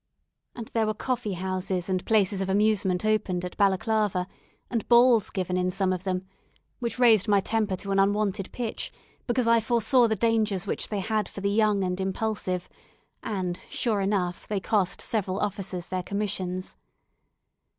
And there were coffee houses and places of amusement opened at Balaclava, and balls given in some of them, which raised my temper to an unwonted pitch, because I foresaw the dangers which they had for the young and impulsive; and sure enough they cost several officers their commissions.